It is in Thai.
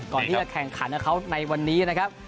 ก่อนที่จะแข่งขันกับเขาในวันนี้นะครับ